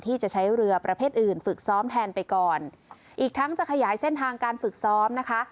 ที่จะใช้เรือประเภทอื่นฝึกซ้อมแทนไปก่อนอีกทั้งจะขยายเส้นทางการฝึกซ้อมนะคะ